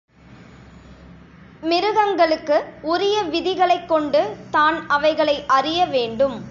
மிருகங்களுக்கு உரிய விதிகளைக் கொண்டு தான் அவைகளை அறிய வேண்டும்.